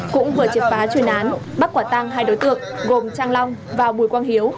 cũng vừa triệt phá chuyên án bắt quả tăng hai đối tượng gồm trang long và bùi quang hiếu